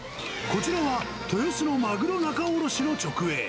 こちらは、豊洲のマグロ仲卸の直営。